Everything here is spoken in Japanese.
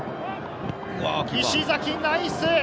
石崎、ナイス！